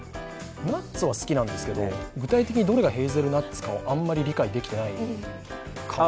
ナッツは好きなんですけど、具体的にどれがヘーゼルナッツかをあまり理解してないですね